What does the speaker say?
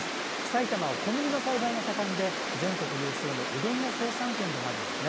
埼玉は小麦の栽培が盛んで全国有数のうどんの生産県です。